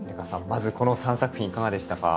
まずこの３作品いかがでしたか？